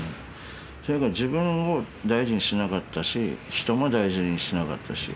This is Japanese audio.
とにかく自分を大事にしなかったし人も大事にしなかったし。